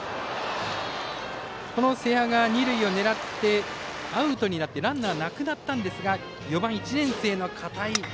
瀬谷が二塁を狙ってアウトになってランナーなくなったんですが４番１年生の片井。